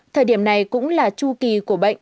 thời điểm này cũng là chu kỳ của bệnh